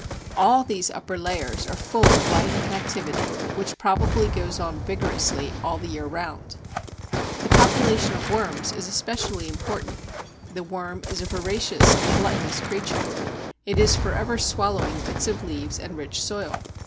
All these upper layers are full of life and activity, which probably goes on vigorously all the year round. The population of worms is especially important. The worm is a voracious and gluttonous creature: it is for ever swallowing bits of leaves and rich soil.